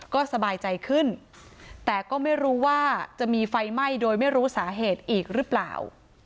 ก็สบายใจขึ้นแต่ก็ไม่รู้ว่าจะมีไฟไหม้โดยไม่รู้สาเหตุอีกหรือเปล่า